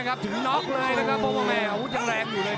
ระหว่างเจอมันแล้วต่อยแบบนี้ครับ